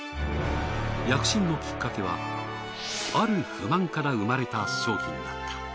躍進のきっかけはある不満から生まれた商品だった。